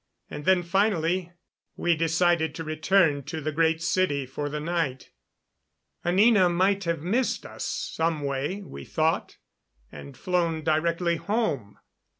And then finally we decided to return to the Great City for the night. Anina might have missed us some way, we thought, and flown directly home.